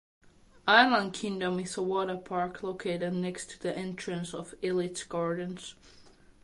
Island Kingdom is a water park located next to the entrance of Elitch Gardens.